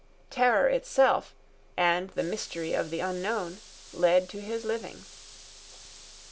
Terror itself, and the mystery of the unknown, led to his living.